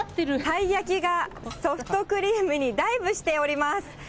たいやきがソフトクリームにダイブしております。